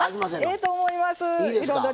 ええと思います。